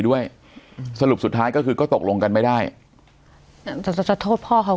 ด้วยสรุปสุดท้ายก็คือก็ตกลงกันไม่ได้แต่จะโทษพ่อเขา